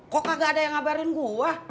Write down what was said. kok gak ada yang ngabarin gue